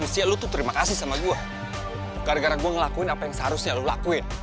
usia lu tuh terima kasih sama gue gara gara gue ngelakuin apa yang seharusnya lo lakuin